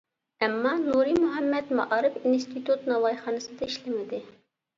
ئەمما نۇرى مۇھەممەت مائارىپ ئىنستىتۇت ناۋايخانىسىدا ئىشلىمىدى.